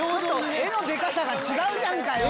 絵のでかさが違うじゃんかよ。